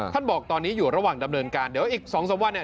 บอกตอนนี้อยู่ระหว่างดำเนินการเดี๋ยวอีก๒๓วันเนี่ย